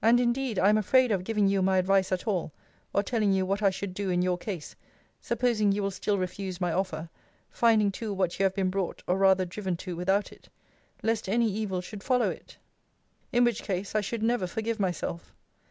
And indeed I am afraid of giving you my advice at all, or telling you what I should do in your case (supposing you will still refuse my offer; finding too what you have been brought or rather driven to without it); lest any evil should follow it: in which case, I should never forgive myself.